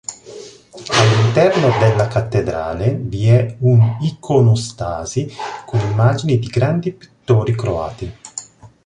All'interno della cattedrale vi è un'iconostasi con immagini di grande pittori croati.